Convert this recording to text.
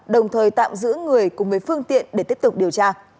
đồng thời tạm giữ người cùng với phương tiện để tiếp tục điều tra